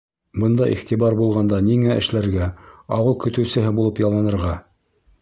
Бындай иғтибар булғанда, ниңә эшләргә, ауыл көтөүсеһе булып ялланырға?